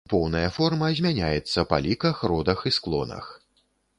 Поўная форма змяняецца па ліках, родах і склонах.